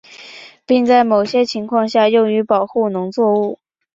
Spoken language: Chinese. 并在某些情况下用于保护农作物。